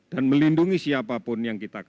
dan melindungi siapapun yang di kampung